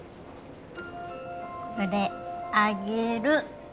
これあげる。